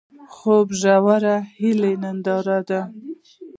خوب د ژورې هیلې ننداره ده